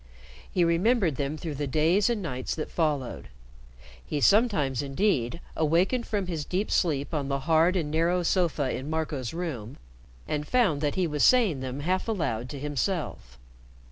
He remembered them through the days and nights that followed. He sometimes, indeed, awakened from his deep sleep on the hard and narrow sofa in Marco's room, and found that he was saying them half aloud to himself.